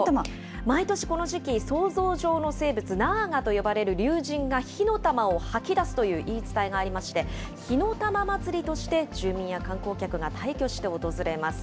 毎年この時期、想像上の生物、ナーガと呼ばれる龍神が火の玉を吐き出すという言い伝えがありまして、火の玉祭りとして住民や観光客が大挙して訪れます。